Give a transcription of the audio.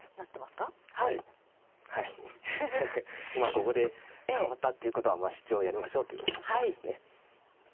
ここでかわったということはシチョウをやりましょうということですね。